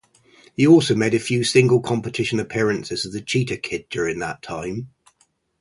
He also made a few single-competition appearances as The Cheetah Kid during that time.